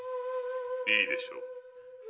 いいでしょう。